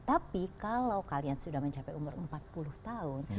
tapi kalau kalian sudah mencapai umur empat puluh tahun